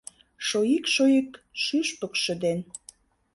Шоик-шоик шӱшпыкшӧ ден